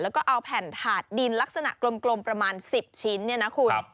แล้วก็เอาแผ่นถาดดินลักษณะกลมประมาณ๑๐ชิ้นเนี่ยนะคุณ